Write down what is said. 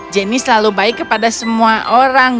jenny selalu baik kepada semua orang